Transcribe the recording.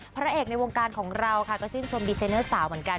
พระเอกในวงการของเราค่ะก็ชื่นชมดีไซเนอร์สาวเหมือนกัน